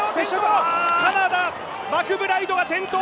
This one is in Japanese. カナダマクブライドが転倒！